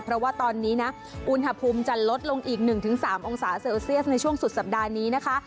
เพราะว่าตอนนี้นะอุณหภูมิจะลดลงอีก๑๓องศาเซลเซียสในช่วงสุดสัปดาห์นี้นะคะ